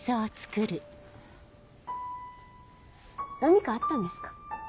何かあったんですか。